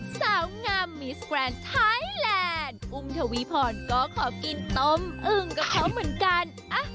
สาวงามมิสแกรนด์ไทยแลนด์อุ้มทวีพรก็ขอกินต้มอึ่งกับเขาเหมือนกัน